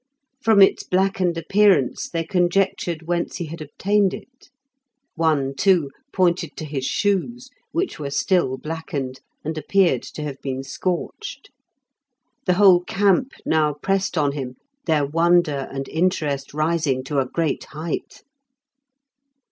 From its blackened appearance they conjectured whence he had obtained it; one, too, pointed to his shoes, which were still blackened, and appeared to have been scorched. The whole camp now pressed on him, their wonder and interest rising to a great height.